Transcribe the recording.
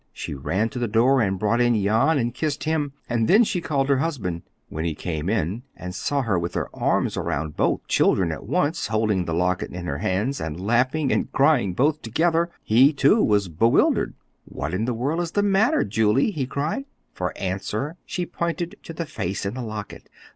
She ran to the door and brought in Jan and kissed him; and then she called her husband. When he came in and saw her with her arms around both children at once, holding the locket in her hands, and laughing and crying both together, he, too, was bewildered. "What in the world is the matter, Julie?" he cried. For answer, she pointed to the face in the locket.